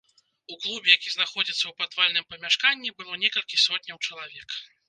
У клубе, які знаходзіцца ў падвальным памяшканні, было некалькі сотняў чалавек.